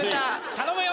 頼むよ！